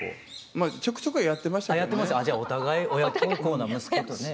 あっじゃあお互い親孝行な息子とね。